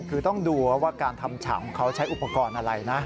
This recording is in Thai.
คือต้องดูว่าการทำฉากของเขาใช้อุปกรณ์อะไรนะ